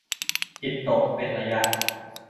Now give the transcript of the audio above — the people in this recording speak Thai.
จิตตกเป็นระยะ